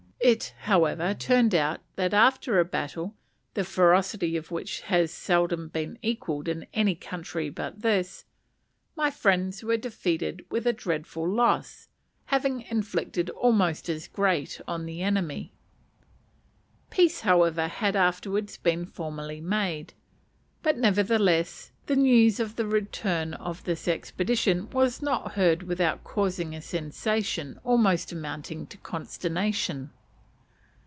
It, however, turned out that after a battle the ferocity of which has seldom been equalled in any country but this our friends were defeated with a dreadful loss, having inflicted almost as great on the enemy. Peace, however, had afterwards been formally made; but, nevertheless, the news of the return of this expedition was not heard without causing a sensation almost amounting to consternation.